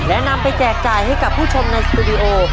และนำไปแจกจ่ายให้กับผู้ชมในสตูดิโอ